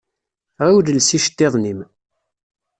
Ɣiwel els iceṭṭiḍen-im.